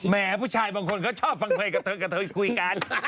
ผู้ชายบางคนเขาชอบฟังเพลงกับเธอกับเธอคุยกัน